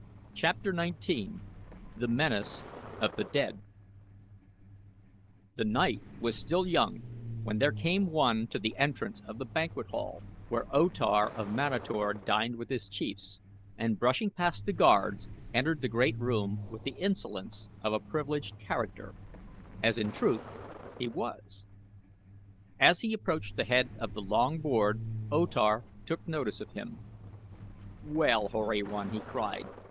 CHAPTER XIX THE MENACE OF THE DEAD The night was still young when there came one to the entrance of the banquet hall where O Tar of Manator dined with his chiefs, and brushing past the guards entered the great room with the insolence of a privileged character, as in truth he was. As he approached the head of the long board O Tar took notice of him. "Well, hoary one!" he cried.